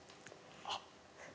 あっ。